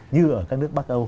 như ở các nước bắc âu